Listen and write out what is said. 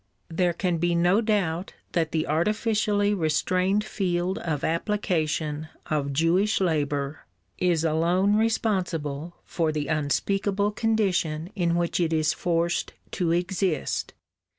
There can be no doubt that the artificially restrained field of application of Jewish labour is alone responsible for the unspeakable condition in which it is forced to exist.